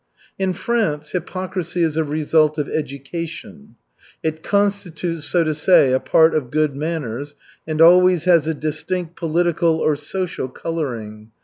In France hypocrisy is a result of education; it constitutes, so to say, a part of "good manners," and always has a distinct political or social coloring.